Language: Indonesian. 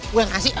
gue yang ngasih